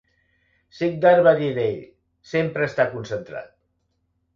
Sikdar va dir d'ell: "Sempre està concentrat".